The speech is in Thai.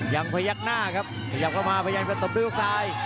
ยังพยักหน้าครับพยับเข้ามาพยันกับตับด้นลูกซ้าย